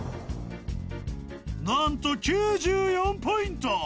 ［何と９４ポイント］